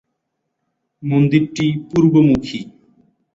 মন্দিরটি পূর্বমুখী।